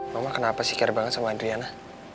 mama kenapa sih care banget sama adriana